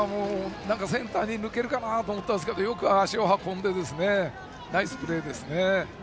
センターに抜けるかなと思ったんですがよく足を運んでナイスプレーですね。